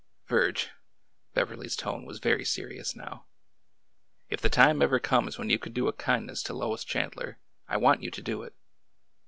Virge,"— Beverly's tone was very serious now,— if the time ever comes when you can do a kindness to Lois Chandler, I want you to do it.